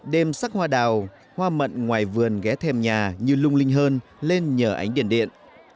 đêm sắc hoa đào hoa mận ngoài vườn ghé thêm nhà như lung linh hơn lên nhờ ánh đèn điện điện